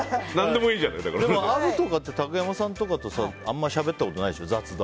アブとかって竹山さんとかとあまり雑談しゃべったことないでしょ。